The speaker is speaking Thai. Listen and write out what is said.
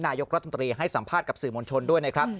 นายกรัฐมนตรีให้สัมภาษณ์กับสื่อมวลชนด้วยนะครับ